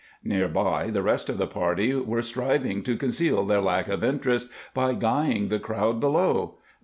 Near by, the rest of the party were striving to conceal their lack of interest by guying the crowd below.